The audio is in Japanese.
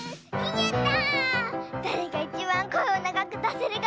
やった！